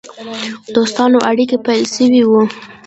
دوستانه اړېکي پیل سوي وه.